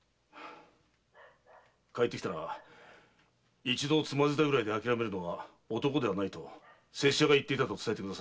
帰ってきたら「一度つまずいたぐらいで諦めるのは男ではない」と拙者が言っていたと伝えてください。